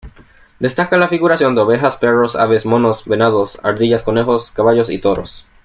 Destaca la figuración de ovejas, perros, aves, monos, venados, ardillas, conejos, caballos y toros.